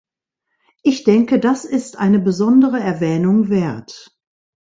Ich denke, das ist eine besondere Erwähnung wert.